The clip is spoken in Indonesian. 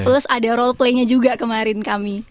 plus ada roleplay nya juga kemarin kami